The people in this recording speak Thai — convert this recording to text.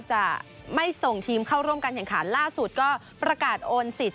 จะไม่ส่งทีมเข้าร่วมการแข่งขันล่าสุดก็ประกาศโอนสิทธิ